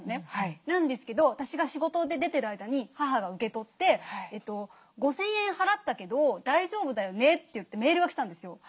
なんですけど私が仕事で出てる間に母が受け取って「５，０００円払ったけど大丈夫だよね？」といってメールが来たんですよ。